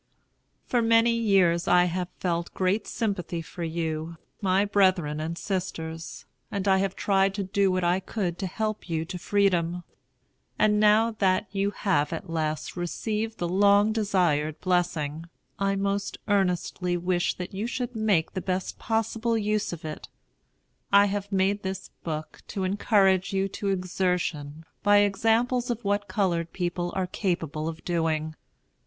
For many years I have felt great sympathy for you, my brethren and sisters, and I have tried to do what I could to help you to freedom. And now that you have at last received the long desired blessing, I most earnestly wish that you should make the best possible use of it. I have made this book to encourage you to exertion by examples of what colored people are capable of doing.